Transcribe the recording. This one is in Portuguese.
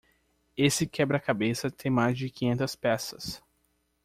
Esse quebra-cabeça tem mais de quinhentas peças.